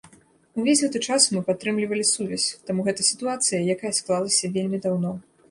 Увесь гэты час мы падтрымлівалі сувязь, таму гэта сітуацыя, якая склалася вельмі даўно.